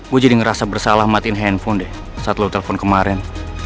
gue jadi ngerasa bersalah matiin handphone deh saat lo telepon kemarin